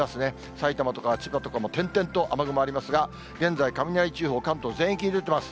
埼玉とか千葉とかも点々と雨雲ありますが、現在、雷注意報、関東全域に出ています。